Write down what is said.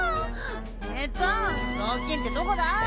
えっとぞうきんってどこだ？